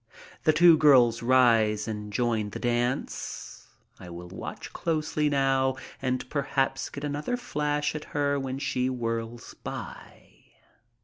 The two girls rise and join the dance. I will watch closely now and perhaps get another flash at her when she whirls by.